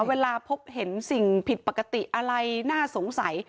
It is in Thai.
เวลาพบเห็นสิ่งผิดปกติอะไรน่าสงสัย